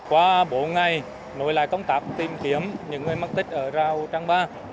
qua bốn ngày nổi lại công tác tìm kiếm những người mắc tích ở rào trang ba